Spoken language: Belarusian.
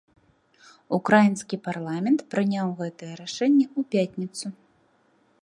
Украінскі парламент прыняў гэтае рашэнне ў пятніцу.